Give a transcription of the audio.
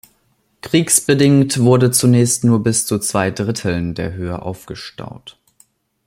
Kriegsbedingt wurde zunächst nur bis zu zwei Dritteln der Höhe aufgestaut.